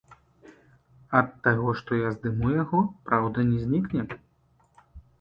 Ад таго, што я здыму яго, праўда не знікне!